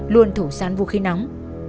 luôn thủ sán vũ khí nóng